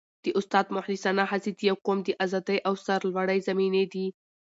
د استاد مخلصانه هڅې د یو قوم د ازادۍ او سرلوړۍ ضامنې دي.